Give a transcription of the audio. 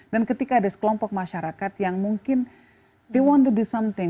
dan ketika ada sekelompok masyarakat yang mungkin